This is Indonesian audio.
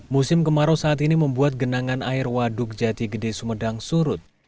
musim kemarau saat ini membuat genangan air waduk jati gede sumedang surut